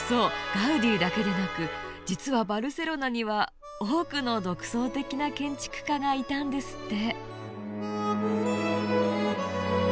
ガウディだけでなく実はバルセロナには多くの独創的な建築家がいたんですって。